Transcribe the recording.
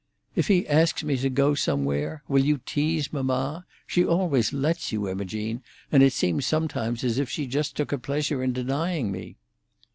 "If he asks me to go somewhere, will you tease mamma? She always lets you, Imogene, and it seems sometimes as if she just took a pleasure in denying me."